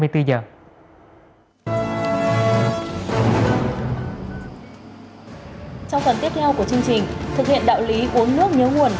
trong phần tiếp theo của chương trình thực hiện đạo lý uống nước nhớ nguồn